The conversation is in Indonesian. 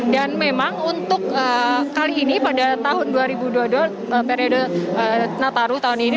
dan memang untuk kali ini pada tahun dua ribu dua puluh dua periode nataru tahun ini